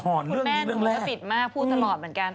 คุณแม่หนูก็ติดมากพูดตลอดเหมือนกัน